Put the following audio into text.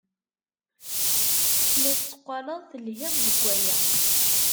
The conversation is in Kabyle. La tetteqqaled telhid deg waya.